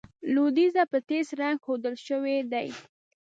لوېدیځه په تېز رنګ ښودل شوي دي.